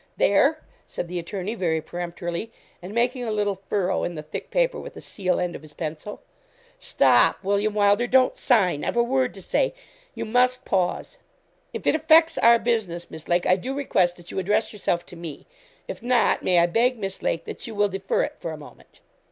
'There,' said the attorney, very peremptorily, and making a little furrow in the thick paper with the seal end of his pencil. 'Stop, William Wylder, don't sign; I've a word to say you must pause.' 'If it affects our business, Miss Lake, I do request that you address yourself to me; if not, may I beg, Miss Lake, that you will defer it for a moment.'